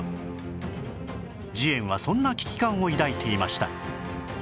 慈円はそんな危機感を抱いていました